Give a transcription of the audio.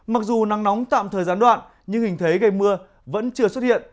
mặc dù nắng nóng tạm thời gián đoạn nhưng hình thế gây mưa vẫn chưa xuất hiện